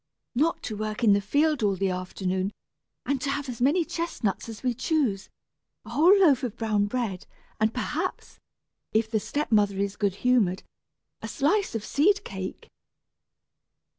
Not to work in the field all the afternoon and to have as many chestnuts as we choose, a whole loaf of brown bread, and perhaps if the step mother is good humored a slice of seed cake!"